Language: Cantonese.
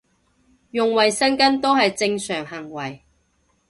用衞生巾都係正常行為